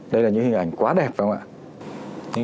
đây là những hình ảnh quá đẹp đúng không ạ